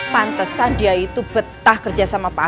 pantesan dia itu betah kerja sama pak